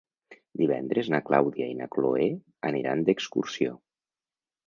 Divendres na Clàudia i na Cloè aniran d'excursió.